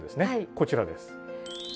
こちらです。